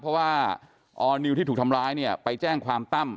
เพราะว่าออร์นิวที่ถูกทำร้ายเนี่ยไปแจ้งความตั้ม